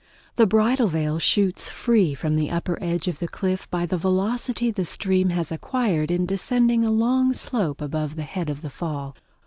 The Bridal Veil shoots free from the upper edge of the cliff by the velocity the stream has acquired in descending a long slope above the head of the fall.